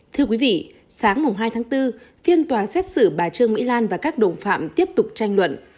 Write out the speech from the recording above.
thưa quý vị sáng hai tháng bốn phiên tòa xét xử bà trương mỹ lan và các đồng phạm tiếp tục tranh luận